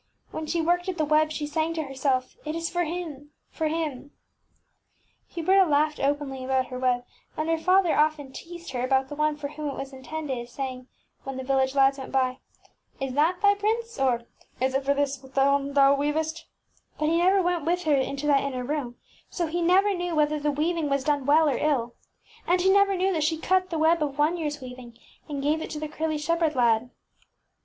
When she worked at the web she sang to herself, ŌĆś It is for him ŌĆö for him ! ŌĆÖ Huberta laughed openly about her web, and her father often teased her about the one for whom it was intended, saying, when the village lads went by, ŌĆś Is that thy Ufa tt&m HflJtatet# prince? ŌĆÖ or, ŌĆśIs it for this one thou weavest ? ŌĆÖ But he never went with her into that inner room, so he never knew whether the weaving was done well or ill. And he never knew that she cut the web of one yearŌĆÖs weav ing and gave it to the curly shepherd lad.